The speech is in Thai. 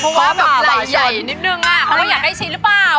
เพราะว่าแบบไหล่ใหญ่นิดนึงเขาก็อยากได้ชิ้นหรือเปล่า